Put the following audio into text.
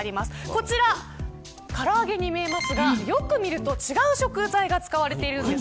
こちら、から揚げに見えますがよく見ると違う食材が使われているんです。